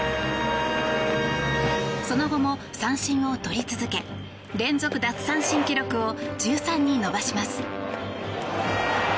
その後も、三振をとり続け連続奪三振記録を１３に伸ばします。